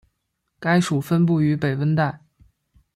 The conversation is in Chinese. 该属分布于北温带。